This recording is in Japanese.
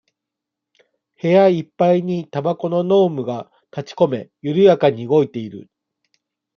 部屋いっぱいにタバコの濃霧がたちこめ、ゆるやかに動いている。